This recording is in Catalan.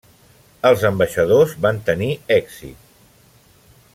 Els ambaixadors van tenir èxit.